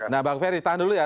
nah bang ferry tahan dulu ya